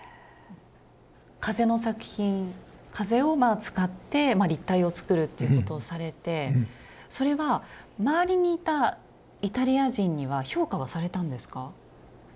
風の作品風を使って立体をつくるっていうことをされてそれは周りにいたイタリア人には評価はされたんですか？